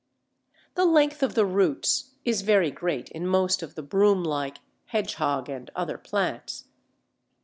The length of the roots is very great in most of the broom like, "hedgehog," and other plants.